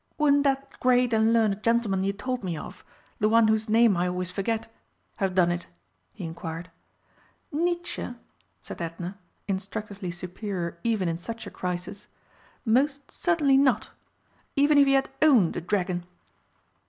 "Wouldn't that great and learned gentleman you told me of the one whose name I always forget have done it?" he inquired. "Nietzsche," said Edna, instructively superior even in such a crisis; "most certainly not. Even if he had owned a dragon!"